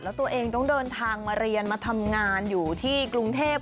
แล้วตัวเองต้องเดินทางมาเรียนมาทำงานอยู่ที่กรุงเทพ